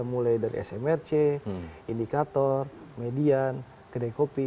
mulai dari smrc indikator median kedai kopi